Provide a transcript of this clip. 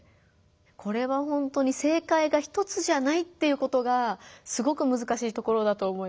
これはほんとに正解が一つじゃないっていうことがすごくむずかしいところだと思います。